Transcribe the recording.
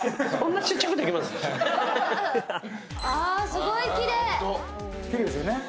すごいきれい！